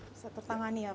bisa tertangani ya pak